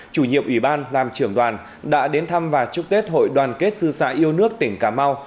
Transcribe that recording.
chủ nhiệm ủy ban làm trưởng đoàn đã đến thăm và chúc tết hội đoàn kết sư sạ yêu nước tỉnh cà mau